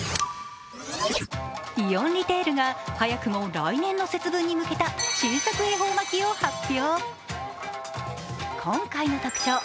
イオンリテールが早くも来年の節分に向けた新作恵方巻きを発表。